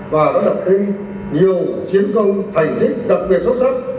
và đảm bảo nhiều chiến công thành tích đặc biệt xuất sắc